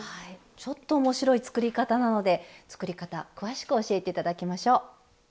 ちょっと面白い作り方なので作り方詳しく教えて頂きましょう。